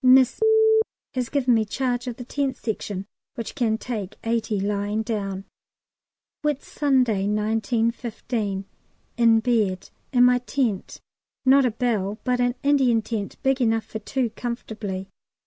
Miss has given me charge of the Tent Section, which can take eighty lying down. Whitsunday, 1915. In bed in my tent, not a bell, but an Indian tent big enough for two comfortably.